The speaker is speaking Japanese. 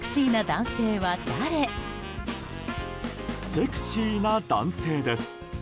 セクシーな男性です。